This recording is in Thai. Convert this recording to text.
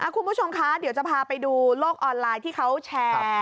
คุณผู้ชมคะเดี๋ยวจะพาไปดูโลกออนไลน์ที่เขาแชร์